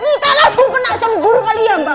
kita langsung kena sembur kali ya mbak